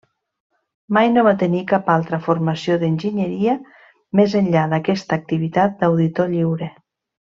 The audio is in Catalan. Mai no va tenir cap altra formació d'enginyeria més enllà d'aquesta activitat d'auditor lliure.